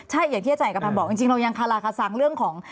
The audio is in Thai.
ใช่อย่างที่อาจารย์เอกพันธ์บอกจริงเรายังคาราคาซังเรื่องของ